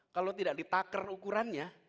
kalau tidak ditakar ukurannya